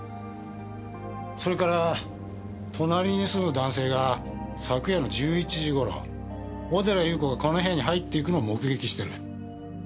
それから隣に住む男性が昨夜の１１時頃小寺裕子がこの部屋に入っていくのを目撃してる。